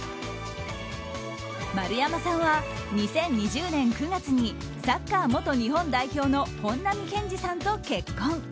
丸山さんは、２０２０年９月にサッカー元日本代表の本並健治さんと結婚。